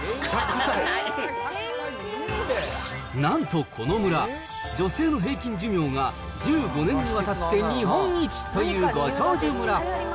なんとこの村、女性の平均寿命が１５年にわたって日本一というご長寿村。